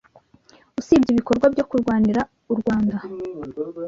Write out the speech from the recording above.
Usibye ibikorwa byo kurwanirira u Rwanda